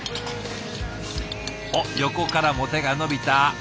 おっ横からも手が伸びた。